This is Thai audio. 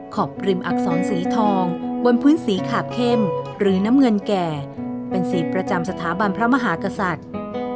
ขอบริมอักษรสีทองบนพื้นสีขาบเข้มหรือน้ำเงินแก่เป็นสีประจำสถาบันพระมหากษัตริย์